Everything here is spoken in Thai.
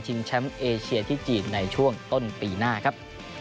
แชมป์เอเชียที่จีนในช่วงต้นปีหน้าครับ